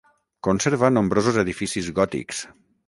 Conserva nombrosos edificis gòtics.